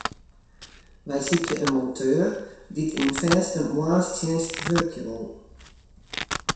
Wy sykje in monteur dy't yn fêste moarnstsjinst wurkje wol.